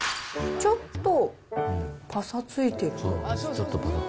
ちょっとぱさついてる。